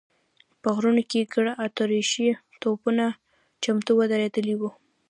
په غرونو کې ګڼ اتریشي توپونه چمتو ودرېدلي و.